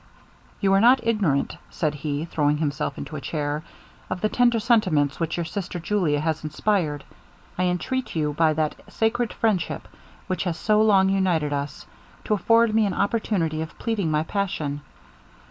'You are not ignorant,' said he, throwing himself into a chair, 'of the tender sentiments which your sister Julia has inspired. I entreat you by that sacred friendship which has so long united us, to afford me an opportunity of pleading my passion.